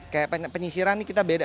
kayak penyisiran ini kita beda